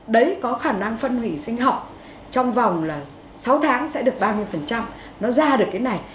đấy có khả năng phân hủy sinh học trong vòng là sáu tháng sẽ được ba mươi nó ra được cái này